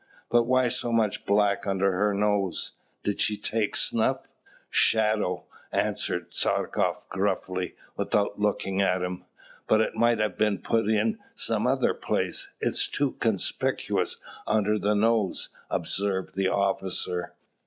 But why so much black under her nose? did she take snuff?" "Shadow," answered Tchartkoff gruffly, without looking at him. "But it might have been put in some other place: it is too conspicuous under the nose," observed the officer.